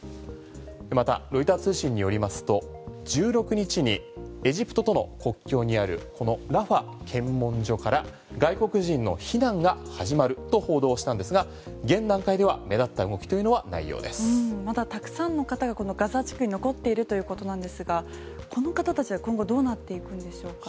またロイター通信によりますと１６日にエジプトとの国境にあるこのラファ検問所から外国人の避難が始まると報道したんですが現段階では目立った動きというのはまたたくさんの方がこのガザ地区に残っているということなんですがこの方たちは今後どうなっていくんでしょう。